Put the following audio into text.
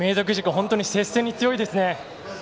本当に接戦に強いですね。